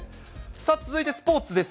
続いてスポーツです。